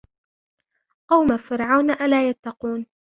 قوم فرعون ألا يتقون